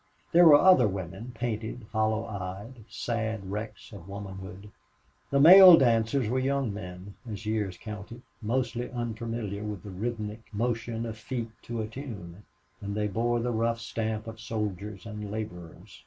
There were other women painted, hollow eyed sad wrecks of womanhood. The male dancers were young men, as years counted, mostly unfamiliar with the rhythmic motion of feet to a tune, and they bore the rough stamp of soldiers and laborers.